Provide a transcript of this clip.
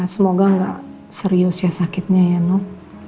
semoga gak serius ya sakitnya ya noh